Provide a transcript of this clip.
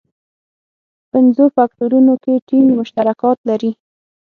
پنځو فکټورونو کې ټینګ مشترکات لري.